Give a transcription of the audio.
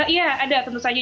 iya ada tentu saja